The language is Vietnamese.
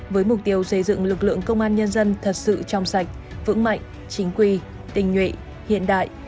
với mục tiêu xây dựng lực lượng công an nhân dân thật sự trong sạch vững mạnh chính quy tình nhuệ hiện đại